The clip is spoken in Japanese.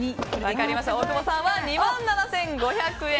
大久保さんは２万７５００円。